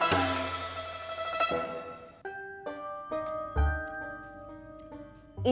baiklah kalau begitu